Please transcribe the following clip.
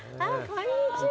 こんにちは。